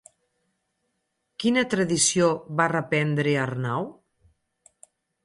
Quina tradició va reprendre Arnau?